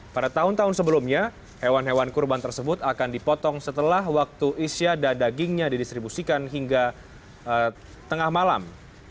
pada tahun tahun sebelumnya hewan hewan kurban tersebut akan dipotong setelah waktu isya dan dagingnya didistribusikan hingga tengah malam